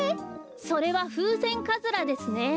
それはフウセンカズラですね。